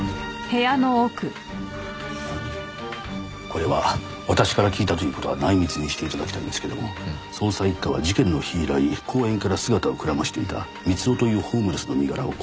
これは私から聞いたという事は内密にして頂きたいんですけども捜査一課は事件の日以来公園から姿をくらましていたミツオというホームレスの身柄を拘束したそうです。